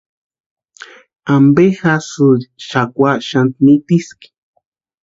¿Ampe jásïri xakwa xani mitiski?